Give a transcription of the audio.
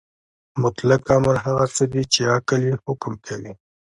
مطلق امر هغه څه دی چې عقل یې حکم کوي.